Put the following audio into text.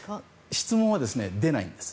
質問は出ないんです。